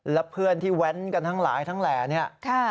และเพื่อนที่แว้นกันทั้งหลายทั้งแหล่เนี่ย